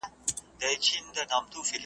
د اولیاوو او شیخانو پیر وو .